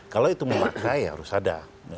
kalau itu memaknai harus ada